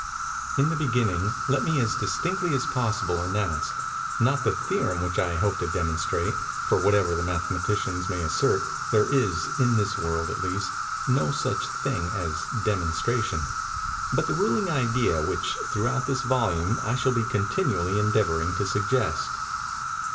In the beginning, let me as distinctly as possible announce—not the theorem which I hope to demonstrate—for, whatever the mathematicians may assert, there is, in this world at least, no such thing as demonstration—but the ruling idea which, throughout this volume, I shall be continually endeavoring to suggest.